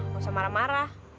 nggak usah marah marah